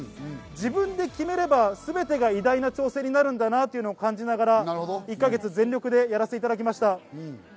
自分で決めれば、すべてが偉大な挑戦になるんだなというのを感じながら１か月、全力でやらせていただきました。